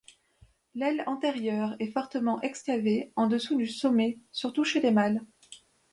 L'aile antérieure est fortement excavée en dessous du sommet surtout chez les mâles.